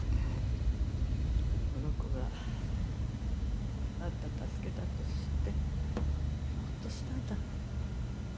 あの子があんたを助けたと知ってほっとしたんだ。